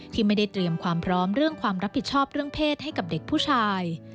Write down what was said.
ที่ไม่ได้เตรียมความพร้อมเรื่องความรับผิดชอบเรื่องเพศให้กับเด็กผู้ชาย